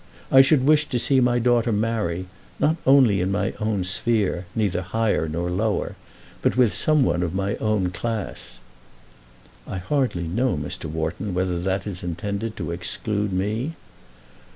I should wish to see my daughter marry, not only in my own sphere, neither higher nor lower, but with some one of my own class." "I hardly know, Mr. Wharton, whether that is intended to exclude me."